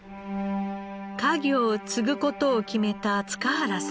家業を継ぐ事を決めた塚原さん。